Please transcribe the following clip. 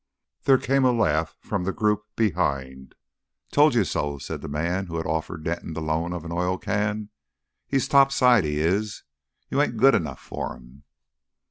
There came a laugh from the group behind. "Told you so," said the man who had offered Denton the loan of an oil can. "He's top side, he is. You ain't good enough for 'im."